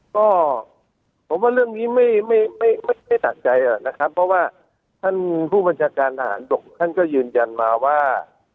ก็ผมว่าเรื่องนี้ไม่หนักใจนะครับเพราะว่าท่านผู้บัญชาการทหารบกท่านก็ยืนยันมาว่า